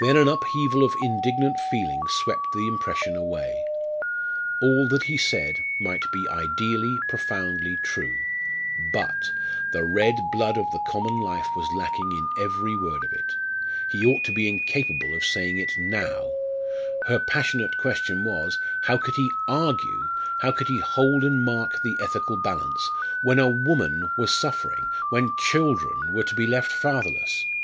Then an upheaval of indignant feeling swept the impression away. All that he said might be ideally, profoundly true but the red blood of the common life was lacking in every word of it! He ought to be incapable of saying it now. Her passionate question was, how could he argue how could he hold and mark the ethical balance when a woman was suffering, when children were to be left fatherless?